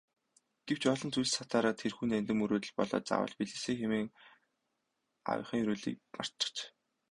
Гэвч олон зүйлд сатаараад тэрхүү нандин мөрөөдөл болоод заавал биелээсэй гэсэн аавынхаа ерөөлийг мартчихаж.